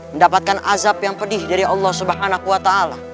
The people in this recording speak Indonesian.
mendapatkan azab yang pedih dari allah swt